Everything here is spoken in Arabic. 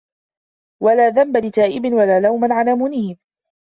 وَلَا ذَنْبَ لِتَائِبٍ وَلَا لَوْمَ عَلَى مُنِيبٍ